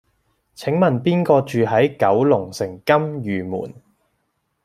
請問邊個住喺九龍城金·御門？